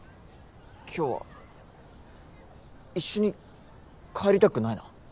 今日は一緒に帰りたくないな。